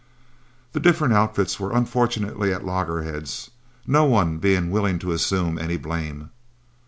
The different outfits were unfortunately at loggerheads, no one being willing to assume any blame.